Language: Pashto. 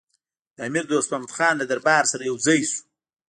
د امیر دوست محمدخان له دربار سره یو ځای شو.